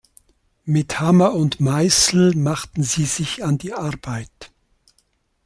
Mit Hammer und Meißel machten sie sich an die Arbeit.